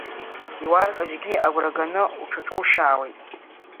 Иуарҳәо зегьы агәра ганы уҽаҿушьаауеит.